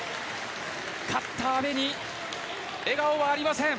勝った阿部に笑顔はありません。